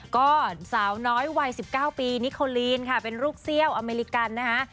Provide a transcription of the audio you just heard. ก็สาวน้อยวัย๑๙ปีนิโคลีนค่ะเป็นลูกเซี่ยวอเมริกันนะคะ